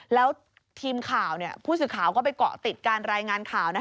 แล้วทีมข่าวผู้สื่อข่าวก็ไปเกาะติดการรายงานข่าว